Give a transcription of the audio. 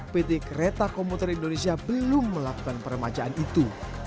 pt kereta komuter indonesia belum melakukan peremajaan itu